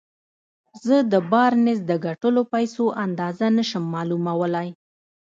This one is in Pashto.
زه د بارنس د ګټلو پيسو اندازه نه شم معلومولای.